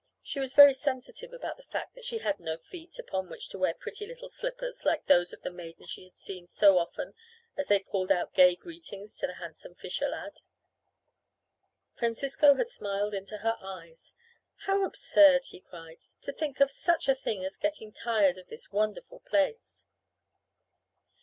She was very sensitive about the fact that she had no feet upon which to wear pretty little slippers like those of the maidens she had seen so often as they called out gay greetings to the handsome fisher lad. Francisco had smiled into her eyes. "How absurd," he cried, "to think of such a thing as getting tired of this wonderful place!"